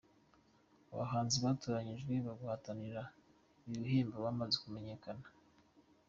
Abahanzi batoranyijwe guhatanira ibi bihembo bamaze kumenyekana.